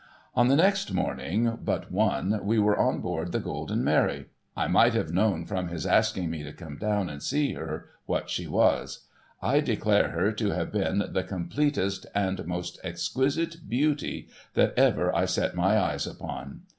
On the next morning but one we were on board the Golden Mary. I might have known, from his asking me to come down and see her, what she was. I declare her to have been the completest and most exquisite Beauty that ever I set my eyes upon.